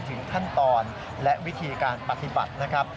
ถึงขั้นตอนและวิธีการปฏิบัตินะครับ